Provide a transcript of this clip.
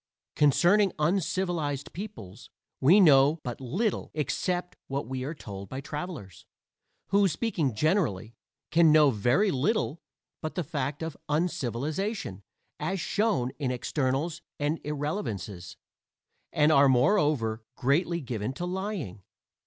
Concerning uncivilized peoples we know but little except what we are told by travelers who, speaking generally, can know very little but the fact of uncivilization, as shown in externals and irrelevances, and are moreover, greatly given to lying.